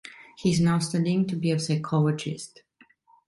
He is now studying to be a psychologist.